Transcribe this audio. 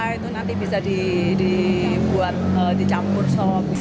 itu nanti bisa dicampur sop